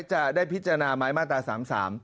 จะได้พิจารณาไม้มาตรา๓๓